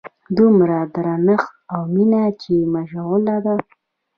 دومره درنښت او مینه یې مشغله ده.